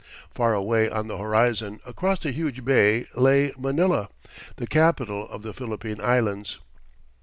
Far away on the horizon, across the huge bay, lay Manila, the capital of the Philippine Islands.